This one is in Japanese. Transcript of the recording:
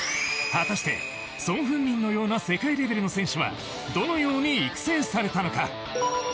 果たしてソン・フンミンのような世界レベルの選手はどのように育成されたのか。